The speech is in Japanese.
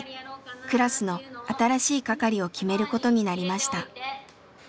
クラスの新しい係を決めることになりました。